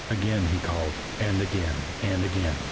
Again he called, and again, and again.